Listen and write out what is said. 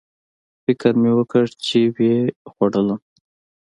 فکر مې وکړ چې ویې خوړلم